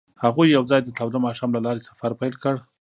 هغوی یوځای د تاوده ماښام له لارې سفر پیل کړ.